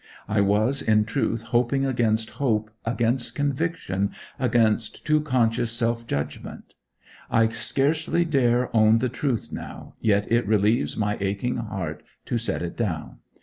I was, in truth, hoping against hope, against conviction, against too conscious self judgment. I scarcely dare own the truth now, yet it relieves my aching heart to set it down.